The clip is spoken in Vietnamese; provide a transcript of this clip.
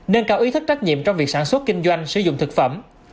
nâng cao ý thức trách nhiệm trong việc sản xuất kinh doanh sử dụng thực phẩm